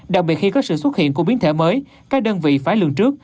đặc biệt khi có sự xuất hiện của biến thể mới các đơn vị phải lường trước